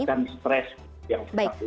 dan mengatimakan stres yang berlaku